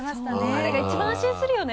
あれが一番安心するよね。